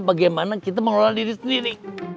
bagaimana kita mengelola diri sendiri